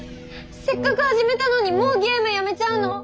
せっかく始めたのにもうゲームやめちゃうの？